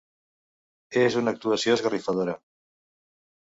És una actuació esgarrifadora.